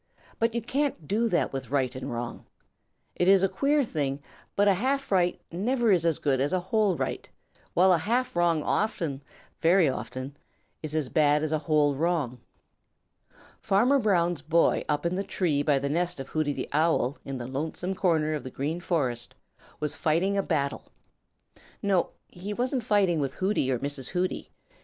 But you can't do that with right and wrong. It is a queer thing, but a half right never is as good as a whole right, while a half wrong often, very often, is as bad as a whole wrong. Farmer Brown's boy, up in the tree by the nest of Hooty the Owl in the lonesome corner of the Green Forest, was fighting a battle. No, he wasn't fighting with Hooty or Mrs. Hooty.